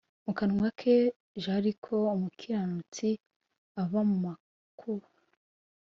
mu kanwa ke j ariko umukiranutsi ava mu makuba